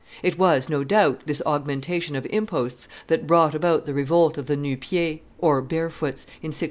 It was, no doubt, this augmentation of imposts that brought about the revolt of the Nu pieds (Barefoots) in 1639.